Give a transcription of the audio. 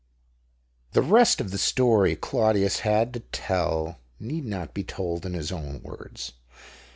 The rest of the story Claudius had to tell need not be told in his own words.